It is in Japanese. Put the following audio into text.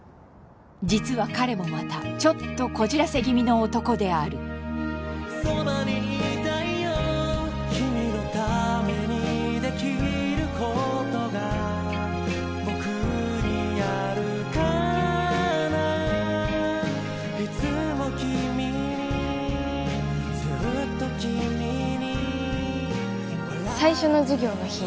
実は彼もまたちょっとこじらせ気味の男であるそばにいたいよ君のために出来ることが僕にあるかないつも君にずっと君に最初の授業の日